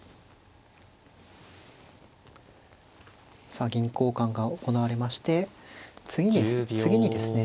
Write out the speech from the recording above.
さあ銀交換が行われまして次にですね